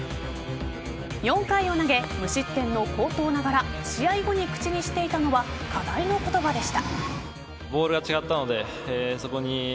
４回を投げ、無失点の好投ながら試合後に口にしていたのは課題の言葉でした。